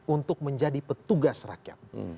untuk menjadi petugas rakyat